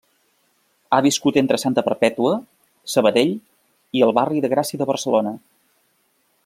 Ha viscut entre Santa Perpètua, Sabadell i el barri de Gràcia de Barcelona.